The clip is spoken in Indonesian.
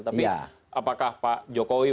tapi apakah pak jokowi